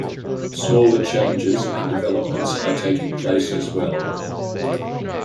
Smaller changes and developments are taking place as well.